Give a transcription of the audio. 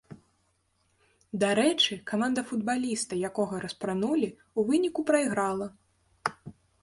Дарэчы, каманда футбаліста, якога распранулі, у выніку прайграла.